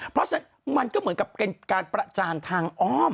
เพราะฉะนั้นมันก็เหมือนกับเป็นการประจานทางอ้อม